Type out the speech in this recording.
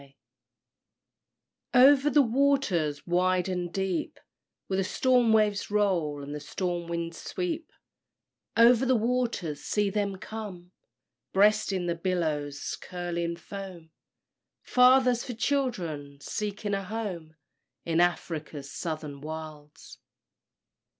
_ Over the waters wide and deep Where the storm waves roll, and the storm winds sweep, Over the waters see them come! Breasting the billows' curling foam, Fathers for children seeking a home In Afric's Southern Wilds.